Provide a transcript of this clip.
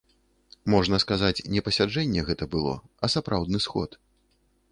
Можна сказаць, не пасяджэнне гэта было, а сапраўдны сход.